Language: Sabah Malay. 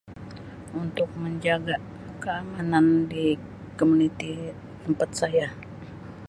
Untuk menjaga keamanan di komuniti tempat saya.